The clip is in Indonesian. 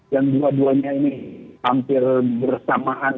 yang dua duanya ini hampir bersamaan